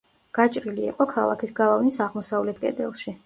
გაჭრილი იყო ქალაქის გალავნის აღმოსავლეთ კედელში.